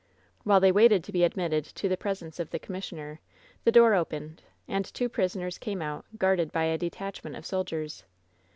While they waited to be admitted to the presence of the commissioner, the door opened, and two prisoners came out, guarded by a detachment of soldiers.